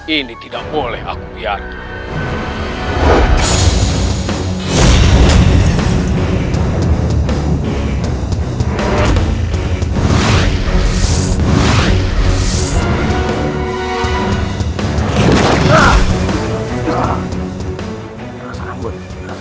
ini tidak boleh aku lihat